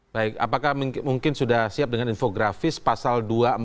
baik apakah mungkin sudah siap dengan infografis pasal dua ratus empat puluh